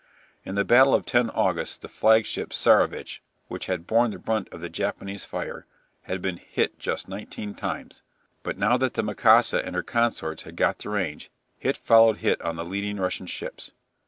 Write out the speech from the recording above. In the battle of 10 August the flagship "Tsarevitch," which had borne the brunt of the Japanese fire, had been hit just nineteen times, but now that the "Mikasa" and her consorts had got the range hit followed hit on the leading Russian ships.